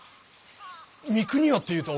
・三国屋っていうと。